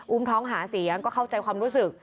ท้องหาเสียงก็เข้าใจความรู้สึก